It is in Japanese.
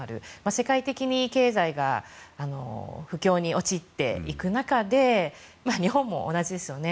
世界的に経済が不況に陥っていく中で日本も同じですよね。